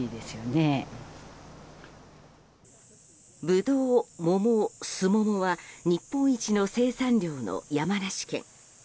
ブドウ、桃、スモモは日本一の生産量の山梨県。